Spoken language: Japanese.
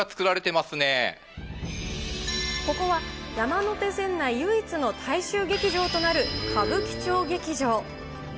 ここは山手線内唯一の大衆劇場となる歌舞伎町劇場。